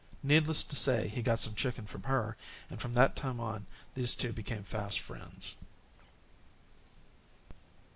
Needless to say, he got some chicken from her, and from that time on these two became fast friends.